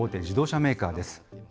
自動車メーカーです。